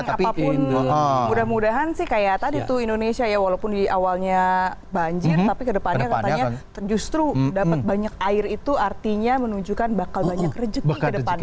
apapun mudah mudahan sih kayak tadi tuh indonesia ya walaupun di awalnya banjir tapi kedepannya katanya justru dapat banyak air itu artinya menunjukkan bakal banyak rejeki ke depannya